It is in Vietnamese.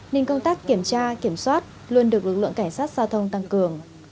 nên công tác kiểm tra kiểm soát luôn được lực lượng cảnh sát giao thông tăng cường